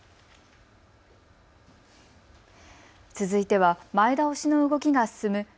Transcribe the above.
続いては前倒しの動きが進む